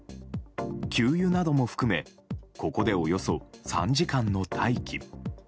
給油なども含めここで、およそ３時間の待機。